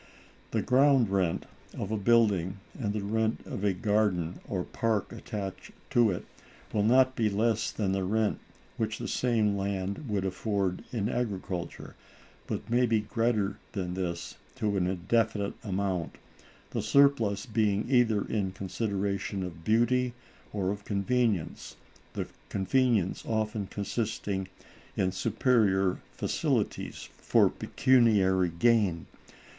The ground rent of a building, and the rent of a garden or park attached to it, will not be less than the rent which the same land would afford in agriculture, but may be greater than this to an indefinite amount; the surplus being either in consideration of beauty or of convenience, the convenience often consisting in superior facilities for pecuniary gain.